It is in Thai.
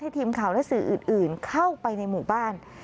ทีมข่าวและสื่ออื่นเข้าไปในหมู่บ้าน